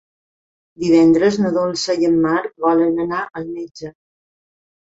Divendres na Dolça i en Marc volen anar al metge.